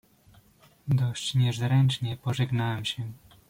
"Dość niezręcznie pożegnałem się."